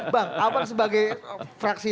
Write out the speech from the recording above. bang abang sebagai fraksi